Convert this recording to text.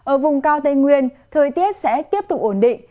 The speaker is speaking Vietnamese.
ở vùng cao tây nguyên thời tiết sẽ tiếp tục ổn định